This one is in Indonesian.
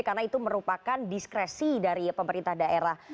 karena itu merupakan diskresi dari pemerintah daerah